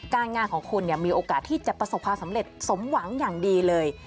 งานของคุณมีโอกาสที่จะประสบความสำเร็จสมหวังอย่างดีเลย